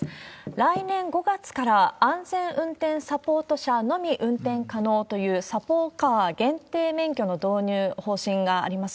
来年５月から、安全運転サポート車のみ運転可能という、サポカー限定免許の導入、方針があります。